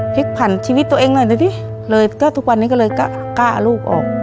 พลิกผ่านชีวิตตัวเองเลยทุกวันนี้ก็เลยกล้าลูกออก